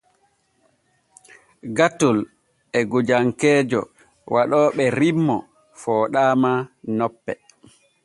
Gatol e gojankeejo waɗooɓe rimmo fooɗaama nope.